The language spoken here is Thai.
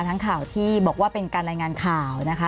ทั้งข่าวที่บอกว่าเป็นการรายงานข่าวนะคะ